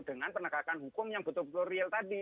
dengan penegakan hukum yang betul betul real tadi